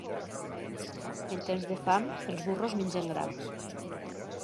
En temps de fam, els burros mengen gram.